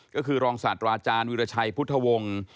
ก็คือรองศาสตราอาจารย์วิราชัยพุทธวงศ์